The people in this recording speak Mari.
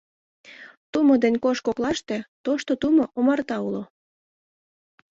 Тумо ден кож коклаште тошто тумо омарта уло.